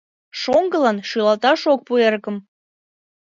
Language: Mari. Шоҥгылан шӱлалташ ок пу эрыкым;